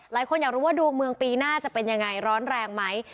หลายคนอยากรู้ว่าดวงเมืองปีหน้าจะเป็นยังไงร้อนแรงไหม